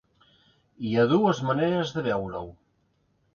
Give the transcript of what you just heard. Hi ha dues maneres de veure-ho.